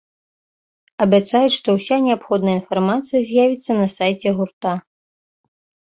Абяцаюць, што ўся неабходная інфармацыя з'явіцца на сайце гурта.